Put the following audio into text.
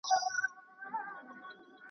ورځ په ورځ دي شواخون درته ډېرېږی .